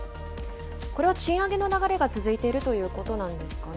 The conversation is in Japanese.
これは賃上げの流れが続いているということなんですかね。